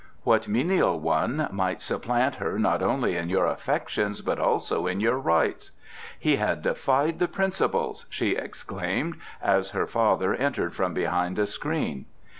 What menial one might supplant her not only in your affections but also in your Rites! He had defied the Principles!" she exclaimed, as her father entered from behind a screen.